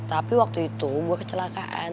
tapi waktu itu buat kecelakaan